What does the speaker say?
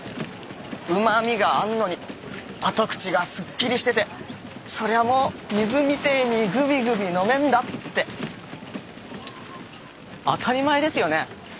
うまみがあんのに後口がすっきりしててそりゃもう水みてぇにぐびぐび飲めんだ」って当たり前ですよね